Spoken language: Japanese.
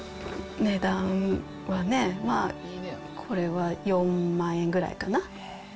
値段はね、これは４万円ぐらいかな。